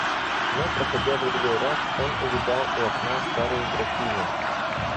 Но проходя в другой раз, он увидал у окна старую графиню.